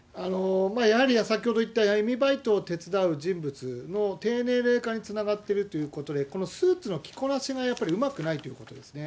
やはり先ほど言った闇バイトを手伝う人物の低年齢化につながっているということで、このスーツの着こなしがやっぱりうまくないっていうことですね。